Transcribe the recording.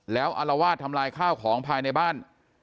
แล้วอารวาสทำลายข้าวของภายในบ้าน